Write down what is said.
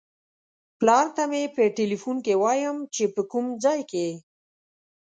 پلار ته مې په ټیلیفون کې وایم چې په کوم ځای کې یې.